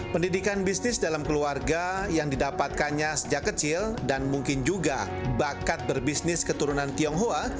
pendidikan bisnis dalam keluarga yang didapatkannya sejak kecil dan mungkin juga bakat berbisnis keturunan tionghoa